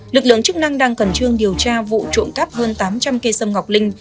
lực lượng chức năng đang khẩn trương điều tra vụ trộm cắp hơn tám trăm linh cây sâm ngọc linh